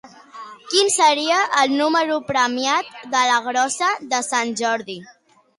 Quin serà el número premiat de la Grossa de Sant Jordi?